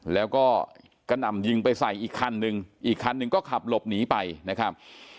แล้วก็กระหน่ำยิงไปใส่อีกคันนึงอีกคันหนึ่งก็ขับหลบหนีไปนะครับ